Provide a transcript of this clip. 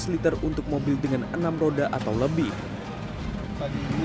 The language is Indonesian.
dua ratus liter untuk mobil dengan enam roda atau lebih pagi itu ya tetap terasa enggak dengan sedikit